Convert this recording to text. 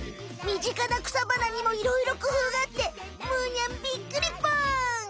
身近な草花にもいろいろくふうがあってむにゃんびっくりぽん！